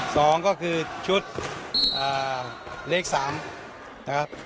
สองก็คือชุดเลขสามนะครับ